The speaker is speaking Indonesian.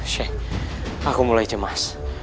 sheikh aku mulai cemas